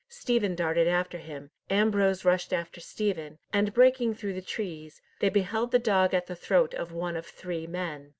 Stephen darted after him, Ambrose rushed after Stephen, and breaking through the trees, they beheld the dog at the throat of one of three men.